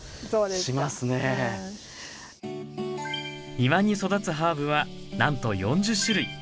庭に育つハーブはなんと４０種類。